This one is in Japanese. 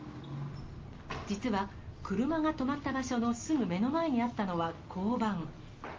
実は、車が止まった場所のすぐ目の前にあったのは交番。